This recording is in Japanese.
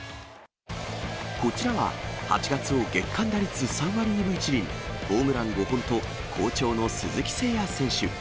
こちらは、８月を月間打率３割２分１厘、ホームラン５本と、好調の鈴木誠也選手。